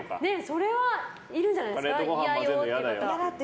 それはいるんじゃないですか？